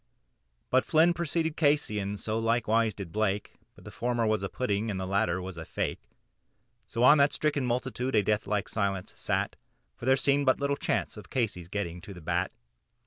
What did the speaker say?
But Flynn preceded Casey, and likewise so did Blake, And the former was a pudding and the latter was a fake; So on that stricken multitude a death like silence sat, For there seemed but little chance of Casey's getting to the bat.